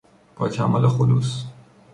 با کمال خلوص